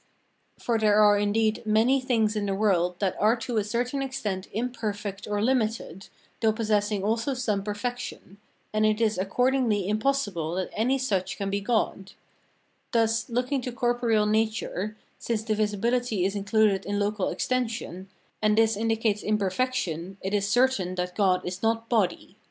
For there are indeed many things in the world that are to a certain extent imperfect or limited, though possessing also some perfection; and it is accordingly impossible that any such can be in God. Thus, looking to corporeal nature,[Footnote: In the French, "since extension constitutes the nature of body."] since divisibility is included in local extension, and this indicates imperfection, it is certain that God is not body.